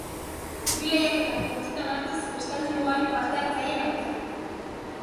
Bi lehiaketak kontutan hartuz, euskaldun ugari parte hartzaileen artean.